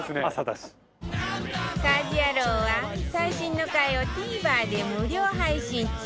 『家事ヤロウ！！！』は最新の回を ＴＶｅｒ で無料配信中